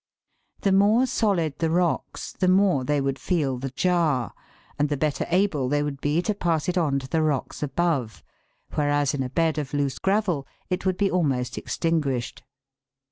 The more solid the rocks the more they would feel the jar, and the better able they would be to pass it on to the rocks above, whereas in a bed of loose gravel it would be almost extinguished.